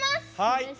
はい。